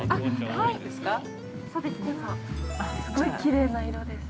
◆すごいきれいな色です。